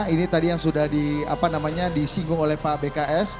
ini tadi yang sudah disinggung oleh pak bks